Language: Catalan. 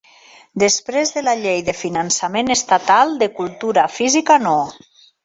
Després de la Llei de Finançament Estatal de Cultura Física No.